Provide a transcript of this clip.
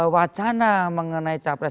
wacana mengenai capres